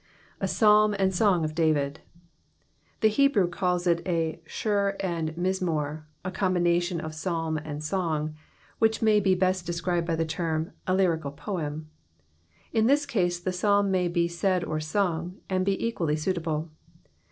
A Psalm and Song of David. The Hebrew caUs U a Shur and Mizmor, a combination of psalm and song, which may be best described by the term, A Lyrical Poem.'' In this case tite Psakn may be said or sung, and be equally suitable.